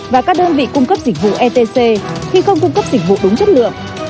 và các đơn vị cung cấp dịch vụ etc khi không cung cấp dịch vụ đúng chất lượng